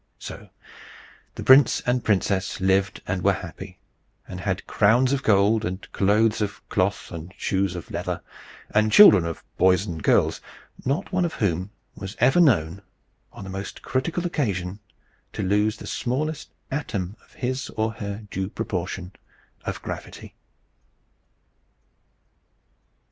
So the prince and princess lived and were happy; and had crowns of gold, and clothes of cloth, and shoes of leather, and children of boys and girls, not one of whom was ever known, on the most critical occasion, to lose the smallest atom of his or her due proportion of gravity.